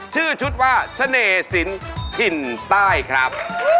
ชื่อชุดว่าเสน่ห์สินถิ่นใต้ครับ